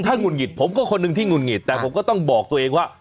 ถ้าหงุดหงิดผมก็คนหนึ่งที่หุดหงิดแต่ผมก็ต้องบอกตัวเองว่า